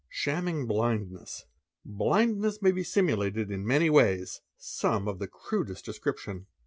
Shamming blindness. Blindness may be simulated in many ways, some of the crudest description.